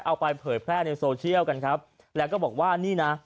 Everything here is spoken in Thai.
เอาไปเผยแพร่ในโซเชียลกันครับแล้วก็บอกว่านี่นะ